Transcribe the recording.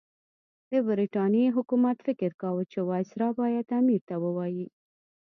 د برټانیې حکومت فکر کاوه چې وایسرا باید امیر ته ووايي.